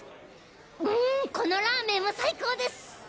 このラーメンも最高です！